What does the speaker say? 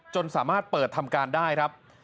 จนสามารถเปิดทำการได้ครับ